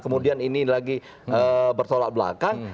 kemudian ini lagi bertolak belakang